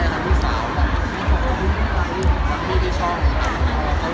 ของแม่คุณแม่ถ้าพี่สาวต่างมีที่ชอบก็เอาเขาใจ